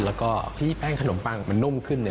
แล้วก็ที่แป้งขนมปังมันนุ่มขึ้น